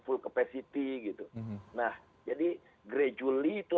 full capacity gitu nah jadi gradually itu